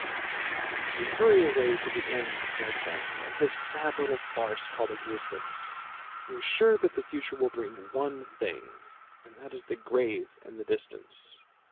As we hurry away to the end, my friend, Of this sad little farce called existence, We are sure that the future will bring one thing, And that is the grave in the distance.